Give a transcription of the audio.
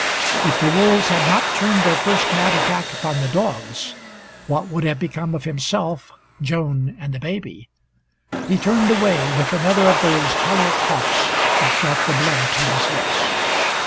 If the wolves had not turned their first mad attack upon the dogs, what would have become of himself, Joan and the baby? He turned away, with another of those hollow coughs that brought the blood to his lips.